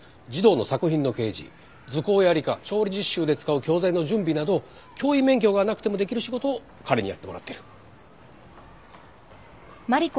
児童の作品の掲示図工や理科調理実習で使う教材の準備など教員免許がなくてもできる仕事を彼にやってもらっている。